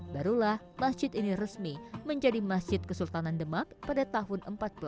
barulah masjid ini resmi menjadi masjid kesultanan demak pada tahun seribu empat ratus enam puluh